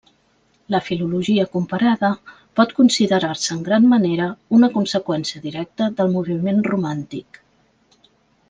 La filologia comparada pot considerar-se en gran manera una conseqüència directa del moviment romàntic.